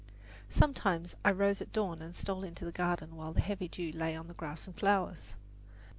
Sometimes I rose at dawn and stole into the garden while the heavy dew lay on the grass and flowers.